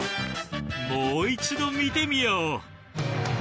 もう一度見てみよう。